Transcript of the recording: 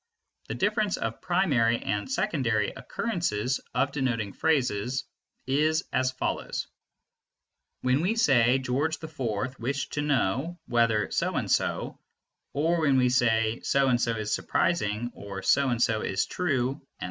The difference of primary and secondary occurrences of denoting phrases is as follows: When we say: "George IV wished to know whether so and so," or when we say "So and so is surprising" or "So and so is true," etc.